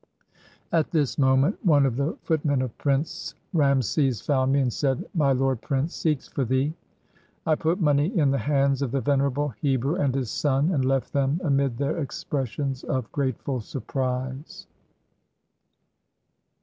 " At this moment one of the footmen of Prince Rameses found me, and said :— "My lord prince seeks for thee!" I put money in the hands of the venerable Hebrew and his son, and left them amid their expressions of grateful surprise.